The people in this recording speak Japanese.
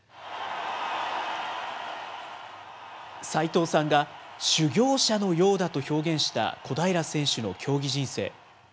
齋藤さんが修行者のようだと表現した小平選手の競技人生。